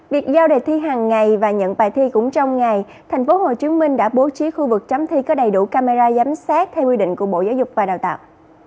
việc giao đề thi hàng ngày và nhận bài thi cũng trong ngày tp hcm đã bố trí khu vực chấm thi có đầy đủ camera giám sát theo quy định của bộ giáo dục và đào tạo